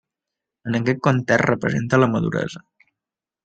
En aquest context representa la maduresa.